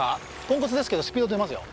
ポンコツですけどスピード出ますよ。